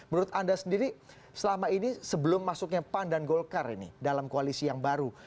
menurut anda sendiri selama ini sebelum masuknya pan dan golkar ini dalam koalisi yang baru